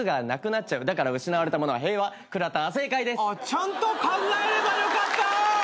ちゃんと考えればよかった！